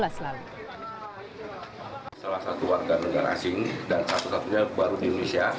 salah satu warga negara asing dan satu satunya baru di indonesia